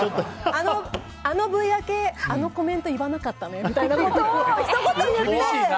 あのＶＴＲ明けあのコメントいらなかったねみたいなことを怖っ！